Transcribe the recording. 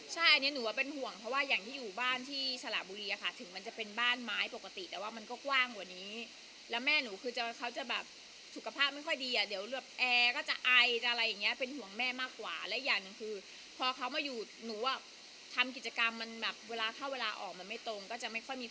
ใช่อันนี้หนูว่าเป็นห่วงเพราะว่าอย่างที่อยู่บ้านที่สระบุรีอะค่ะถึงมันจะเป็นบ้านไม้ปกติแต่ว่ามันก็กว้างกว่านี้แล้วแม่หนูคือจะเขาจะแบบสุขภาพไม่ค่อยดีอ่ะเดี๋ยวแอร์ก็จะไอจะอะไรอย่างเงี้ยเป็นห่วงแม่มากกว่าและอย่างหนึ่งคือพอเขามาอยู่หนูอ่ะทำกิจกรรมมันแบบเวลาเข้าเวลาออกมันไม่ตรงก็จะไม่ค่อยมี